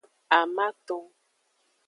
Amaton.